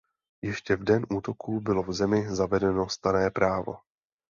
Ještě v den útoku bylo v zemi zavedeno stanné právo.